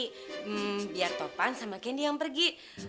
hmm biar topan sama kendi yang pergi